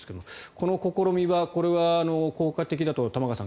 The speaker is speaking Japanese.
この試みはこれは効果的だと玉川さん